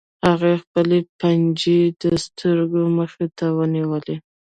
هغه خپلې پنجې د سترګو مخې ته ونیولې